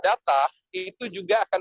data itu juga akan